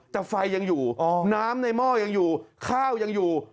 แต่ไฟยังอยู่น้ำในหม้อยังอยู่ข้าวยังอยู่